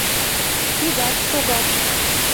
Тидат тугак.